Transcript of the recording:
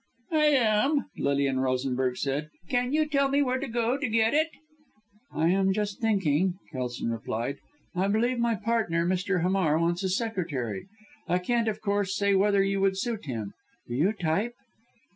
"I am," Lilian Rosenberg said. "Can you tell me where to go to get it?" "I am just thinking," Kelson replied, "I believe my partner, Mr. Hamar, wants a secretary. I can't, of course, say whether you would suit him. Do you type?"